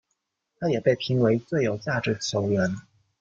他也被评为最有价值球员。